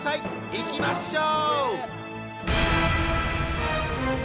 いきましょう！